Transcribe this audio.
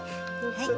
はい。